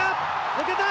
抜けた！